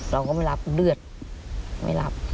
เราก็ไม่รับเลือดไม่รับ